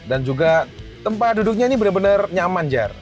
dan juga tempat duduknya ini bener bener nyaman jar